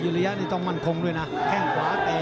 อะไรอยู่อนี่ต้องมันคมด้วยนะแข้งขวาและเต